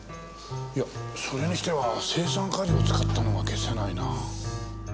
いやそれにしては青酸カリを使ったのが解せないな。